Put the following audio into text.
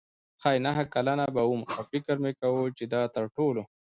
ښايي نهه کلنه به وم او فکر مې کاوه چې دا تر ټولو.